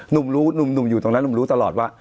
หนุ่มรู้หนุ่มอยู่ตรงนั้นหนุ่มรู้ตลอดว่า